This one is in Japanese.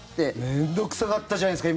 面倒臭かったじゃないですか。